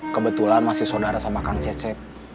kebetulan masih saudara sama kak cece